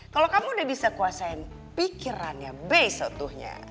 kalo kamu udah bisa kuasain pikirannya be satunya